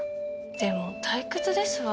でも退屈ですわ。